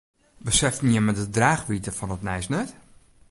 Beseften jimme de draachwiidte fan it nijs net?